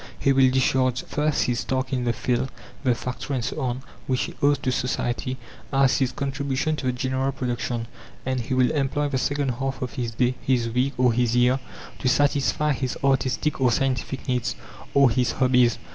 He will discharge first his task in the field, the factory, and so on, which he owes to society as his contribution to the general production. And he will employ the second half of his day, his week, or his year, to satisfy his artistic or scientific needs, or his hobbies.